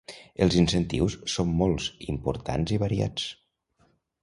Els incentius són molts, importants i variats.